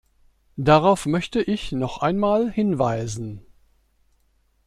Darauf möchte ich noch einmal hinweisen.